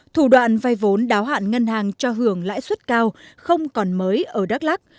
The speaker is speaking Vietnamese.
thủ đoạn vai vốn đáo hạn ngân hàng cho hưởng lãi xuất cao không còn mới ở đắk lắc